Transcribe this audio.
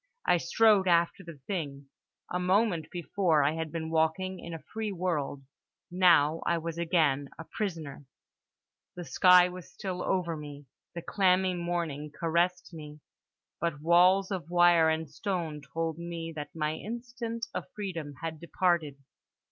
I strode after the thing. A moment before I had been walking in a free world: now I was again a prisoner. The sky was still over me, the clammy morning caressed me; but walls of wire and stone told me that my instant of freedom had departed.